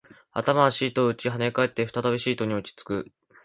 頭はシートを打ち、跳ね返って、再びシートに落ち着く